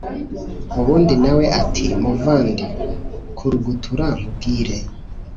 ubundi nawe ati”muvandi kurugutura nkubwire